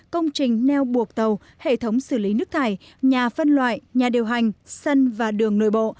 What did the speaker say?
công trình neo buộc tàu hệ thống xử lý nước thải nhà phân loại nhà điều hành sân và đường nội bộ